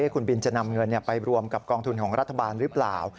คุณบินจะนำเงินไปรวมกับกองทุนของรัฐบาลหรือเปล่า